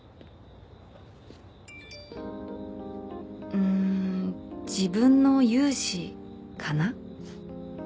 「うん自分の勇姿かな」